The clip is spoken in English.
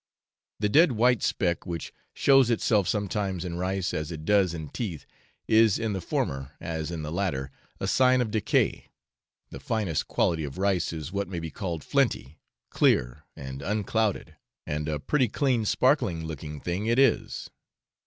The dead white speck, which shows itself sometimes in rice as it does in teeth, is in the former, as in the latter, a sign of decay; the finest quality of rice is what may be called flinty, clear and unclouded, and a pretty clean sparkling looking thing it is.